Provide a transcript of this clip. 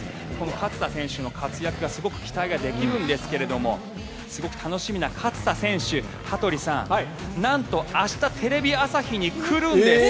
勝田選手の活躍がすごく期待ができるんですがすごく楽しみな勝田選手羽鳥さん、なんと明日テレビ朝日に来るんです。